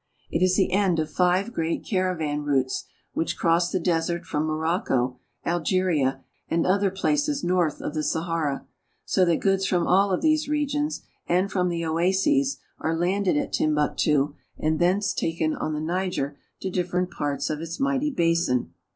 It is the end of five great caravan routes which cross the desert from Morocco, Algeria, and other places north of the Sahara; so that goods from all of these regions and from the oases are landed at Tim buktu, and thence taken on the Niger to differ ent parts of its mighty basin.